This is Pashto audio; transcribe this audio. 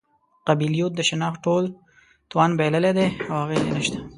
قبیلویت د شناخت ټول توان بایللی دی او اغېز یې نشته.